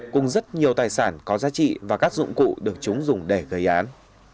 cùng rất nhiều tài sản có giá trị và các dụng cụ được chúng dùng để gây án